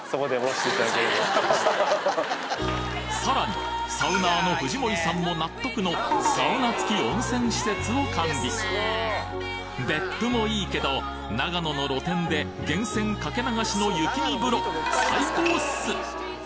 さらにサウナーの藤森さんも納得のサウナ付き温泉施設を完備別府もいいけど長野の露天で源泉かけ流しの雪見風呂最高っす！